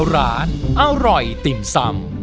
ร้านอร่อยติ่มซำ